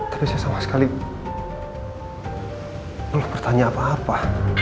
tapi saya sama sekali bertanya apa apa